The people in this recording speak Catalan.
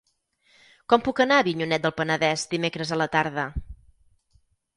Com puc anar a Avinyonet del Penedès dimecres a la tarda?